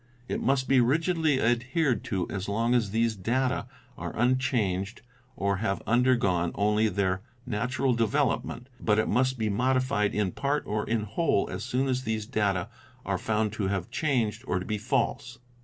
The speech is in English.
It must be rigidly adhered to as long as these data are unchanged or have under gone only their natural development, but it must be modified in part or in whole as soon as these data are found to have changed or to be false.